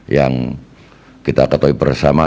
yang kita tetap bersama